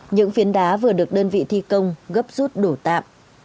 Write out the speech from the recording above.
những phiến đá vừa được đơn vị thi công gấp rút đổ tạm